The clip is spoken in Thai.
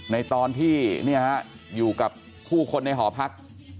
ในตอนที่อยู่กับผู้คนในหอพัก